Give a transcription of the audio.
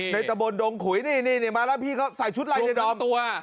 ตะบนดงขุยนี่มาแล้วพี่เขาใส่ชุดลายในดอมตัว